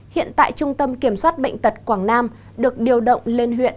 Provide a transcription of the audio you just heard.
hiện tại trung tâm kiểm soát bệnh tật quảng nam được điều động lên huyện